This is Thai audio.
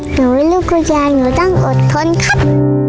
หนูเป็นลูกลูกยานหนูต้องอดทนครับ